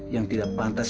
yang tidak pantas